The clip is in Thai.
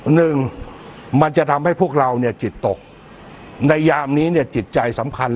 หนึ่งมันจะทำให้พวกเราเนี่ยจิตตกในยามนี้เนี่ยจิตใจสำคัญ